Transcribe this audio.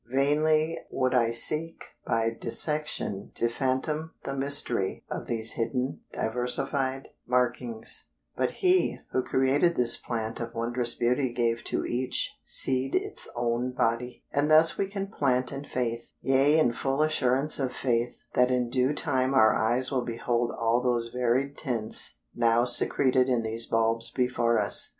Vainly would I seek by dissection to fathom the mystery of these hidden diversified markings, but He who created this plant of wondrous beauty gave to each "seed its own body," and thus we can plant in faith yea in full assurance of faith that in due time our eyes will behold all those varied tints now secreted in these bulbs before us.